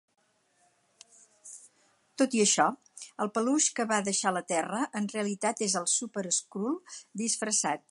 Tot i això, el "Peluix" que va deixar la Terra en realitat és el Super-Skrull disfressat.